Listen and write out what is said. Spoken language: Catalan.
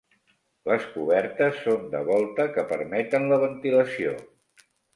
Les cobertes són de volta que permeten la ventilació.